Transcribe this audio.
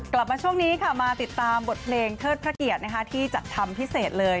กลับมาช่วงนี้ค่ะมาติดตามบทเพลงเทิดพระเกียรติที่จัดทำพิเศษเลย